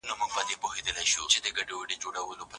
موږ باید خپل وخت په بیځایه کارونو تیر نه کړو.